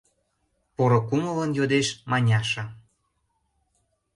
— поро кумылын йодеш Маняша.